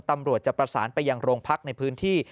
ตำรวจจะประสานไปยังโรงพักในพื้นที่